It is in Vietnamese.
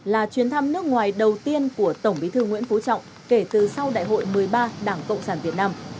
là chuyến thăm nước ngoài đầu tiên của tổng bí thư nguyễn phú trọng kể từ sau đại hội một mươi ba đảng cộng sản việt nam